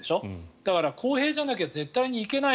だから、公平じゃなきゃ絶対にいけない。